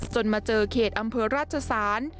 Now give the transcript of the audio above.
มาเจอเขตอำเภอราชศาล